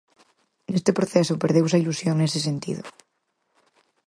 Neste proceso perdeuse a ilusión nese sentido.